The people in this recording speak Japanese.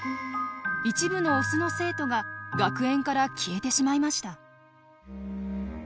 一部のオスの生徒が学園から消えてしまいました。